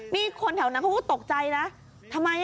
นี่คนแถวนั้นก็ตกใจนะ